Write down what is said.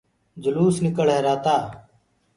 جلوس ڻڪݪ رهيرآ تآ۔